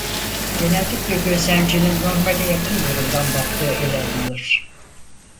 Genellikle gözlemcinin normale yakın durumdan baktığı ele alınır.